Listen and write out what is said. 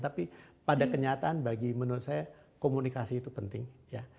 tapi pada kenyataan bagi menurut saya komunikasi itu penting ya